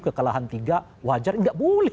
kekalahan tiga wajar tidak boleh